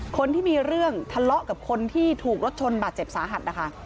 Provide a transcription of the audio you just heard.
คนที่มีเรื่องทะเลาะกับคนที่ถูกรถชนบาดเจ็บสาหัสนะคะ